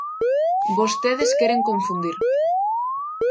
Vostedes queren confundir.